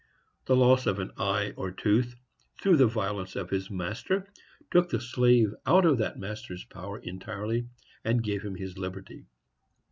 The loss of an eye or a tooth, through the violence of his master, took the slave out of that master's power entirely, and gave him his liberty.